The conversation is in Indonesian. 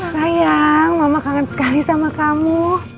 sayang mama kangen sekali sama kamu